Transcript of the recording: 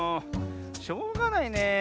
しょうがないねえ。